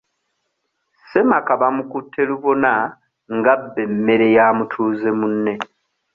Ssemaka bamukutte lubona nga abba emmere ya mutuuze munne.